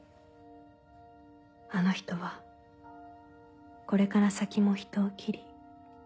「あの人はこれから先も人を斬り。